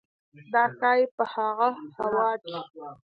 دا ښايي په هغه هوا کې